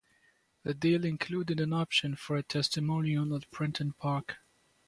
The deal included an option for a testimonial at Prenton Park.